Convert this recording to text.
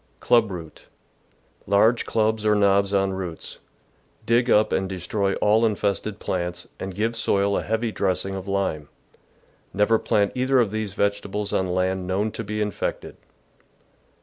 Club Root. — Large clubs or knobs on roots. Dig up and destroy all infested plants, and give soil a heavy^ dressing of lime. Never plant either of these vegetables on land known to be infected.